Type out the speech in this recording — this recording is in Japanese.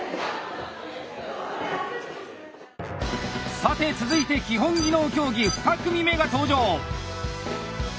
さて続いて基本技能競技２組目が登場！